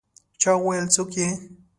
چا وویل: «څوک يې؟»